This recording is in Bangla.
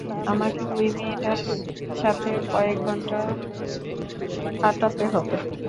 আমাকে ঐ মেয়েটার সাথে কয়েক ঘণ্টা হোটেলে কাটাতে হবে।